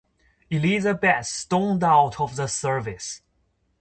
Elizabeth stormed out of the service.